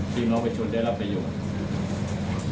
พี่น้องประชาชนได้รับประโยชน์